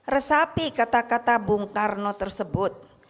resapi kata kata bung karno tersebut